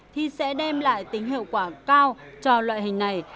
thì sẽ đem lại tính hiệu quả cao cho loại hình này